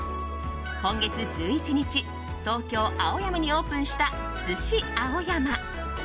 今月１１日東京・青山にオープンしたスシアオヤマ。